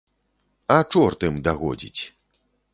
А чорт ім дагодзіць.